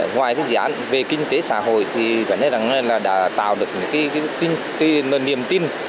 ngoài dự án về kinh tế xã hội thì đã tạo được niềm tin